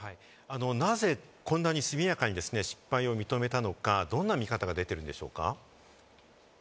なぜこんなに速やかに失敗を認めたのか、どんな見方が出ているんでしょうか？